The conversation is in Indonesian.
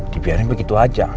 dibiarin begitu aja